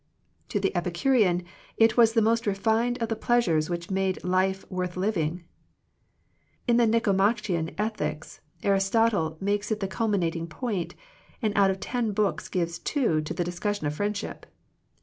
To the Epicurean it was the most refined of the pleasures which made life worth living. In the Nicomachean Ethics, Aristotle makes it the culminating point, and out of ten books gives two to the discussion of Friendship.